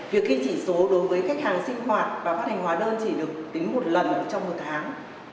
việc ghi chỉ số đối với khách hàng sinh hoạt và phát hành hóa đơn chỉ được tính một lần trong một tháng